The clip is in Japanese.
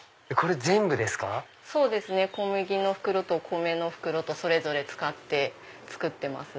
小麦の袋と米の袋とそれぞれ使って作ってます。